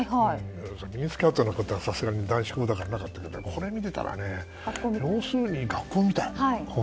ミニスカートのことはさすがに男子校だからなかったけど、これを見ると要するに学校みたい。